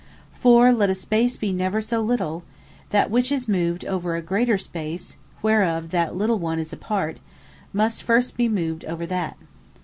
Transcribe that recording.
For let a space be never so little, that which is moved over a greater space, whereof that little one is part, must first be moved over that.